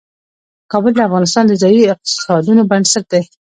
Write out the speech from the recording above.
کابل د افغانستان د ځایي اقتصادونو بنسټ دی.